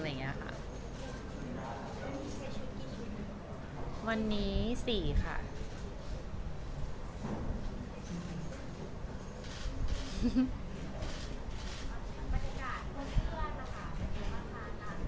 อะไรอย่างเงี้ยค่ะวันนี้สี่ค่ะ